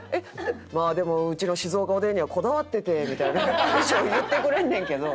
「でもうちの静岡おでんにはこだわってて」みたいな大将言ってくれんねんけど。